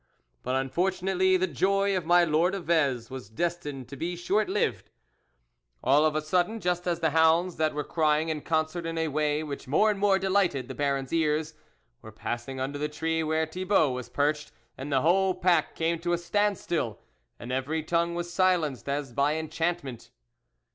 But, unfortunately, the joy of my Lord of Vez was destined to be short lived. All of a sudden, just as the hounds, that were crying in concert in a way which more and more delighted the Baron's ears, were passing under the tree where Thibault was perched, the whole pack came to a standstill, and every tongue was silenced as by en chantment.